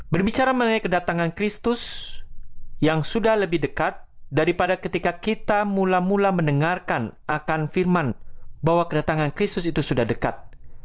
berbicara mengenai kedatangan kristus yang sudah lebih dekat daripada ketika kita mula mula mendengarkan akan firman bahwa kedatangan kristus itu sudah dekat